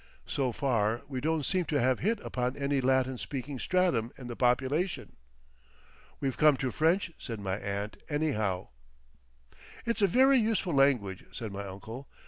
So far we don't seem to have hit upon any Latin speaking stratum in the population." "We've come to French," said my aunt, "anyhow." "It's a very useful language," said my uncle.